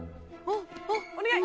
お願い。